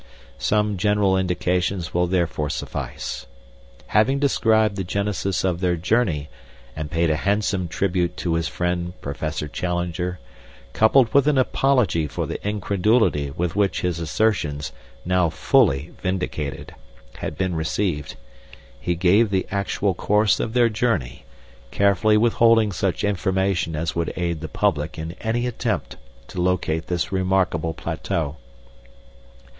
Some general indications will therefore suffice. Having described the genesis of their journey, and paid a handsome tribute to his friend Professor Challenger, coupled with an apology for the incredulity with which his assertions, now fully vindicated, had been received, he gave the actual course of their journey, carefully withholding such information as would aid the public in any attempt to locate this remarkable plateau.